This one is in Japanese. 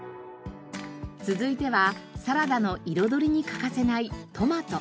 続いてはサラダの彩りに欠かせないトマト。